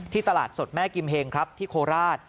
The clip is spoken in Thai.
ที่ตลาดสดแม่กิมเฮงครับที่โขหลาด